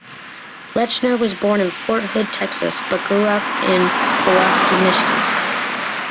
Lechner was born in Fort Hood, Texas, but grew up in Pewaukee, Wisconsin.